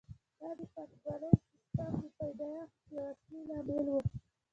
دا د پانګوالي سیسټم د پیدایښت یو اصلي لامل وو